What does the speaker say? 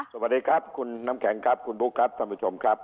สวัสดีครับคุณน้ำแข็งครับคุณบุ๊คครับท่านผู้ชมครับ